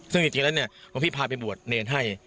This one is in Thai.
ซึ่งจริงแล้วเนี่ยหลวงพี่พาไปบวชเนรให้